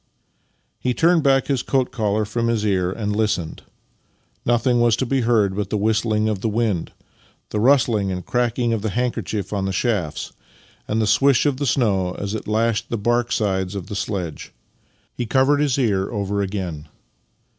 He turned back his coat collar from his ear and listened. Nothing was to be heard but the whistl ing of the wind, the rustling and cracking of the handkerchief on the shafts, and the swish of the snow as it lashed the bark sides of the sledge. He covered his ear over again.